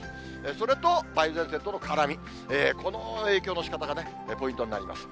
それと梅雨前線との絡み、この影響のしかたがね、ポイントになります。